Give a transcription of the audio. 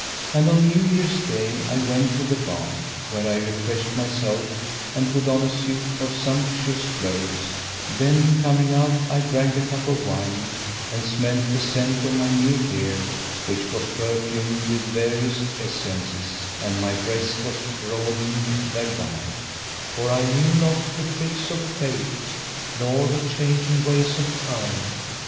And on New Year's day I went to the bath, where I refreshed myself and put on a suit of sumptuous clothes; then coming out I drank a cup of wine and smelt the scent of my new gear which was perfumed with various essences; and my breast was broadened thereby, for I knew not the tricks of Pate nor the changing ways of Time.